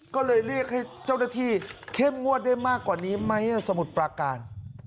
ก็เลยเรียกให้เจ้าหน้าที่เข้มงวดได้มากกว่านี้ไหมสมุทรปราการ